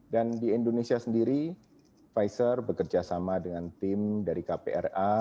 dan di indonesia sendiri pfizer bekerja sama dengan tim dari kpra